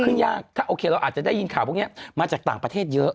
ยากถ้าโอเคเราอาจจะได้ยินข่าวพวกนี้มาจากต่างประเทศเยอะ